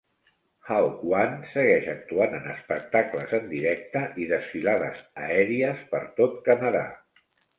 "Hawk One" segueix actuant en espectacles en directe i desfilades aèries per tot Canadà.